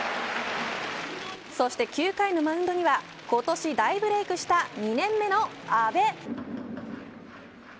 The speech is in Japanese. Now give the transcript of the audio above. そして９回のマウンドには今年大ブレークした２年目の阿部。